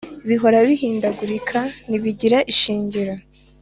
bihora bihindagurika, ntibigira ishingiro.